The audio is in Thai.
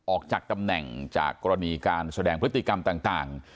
ออกจากตำแหน่งจากกรณีการแสดงพฤติกรรมต่าง